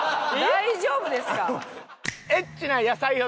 大丈夫ですか？